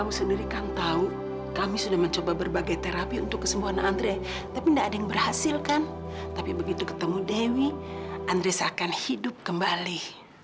mungkin gak ada yang berhasil kan tapi begitu ketemu dewi andres akan hidup kembali